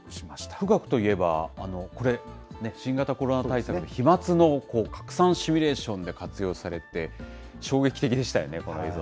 富岳といえば、これ、新型コロナ対策の飛まつの拡散シミュレーションで活用されて、衝そうでした。